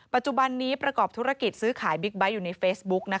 ปัจจุบันนี้ประกอบธุรกิจซื้อขายบิ๊กไบท์อยู่ในเฟซบุ๊ก